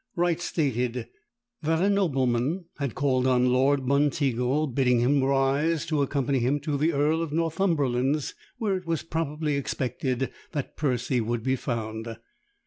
Wright stated, that a nobleman had called on Lord Monteagle, bidding him rise to accompany him to the earl of Northumberland's, where it was probably expected that Percy would be found.